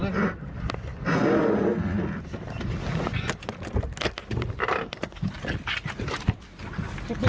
ช่างวันดุเปอร์ที่